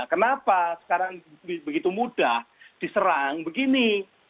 kenapa sekarang begitu mudah diserang begini